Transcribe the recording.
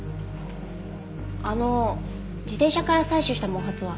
あの自転車から採取した毛髪は？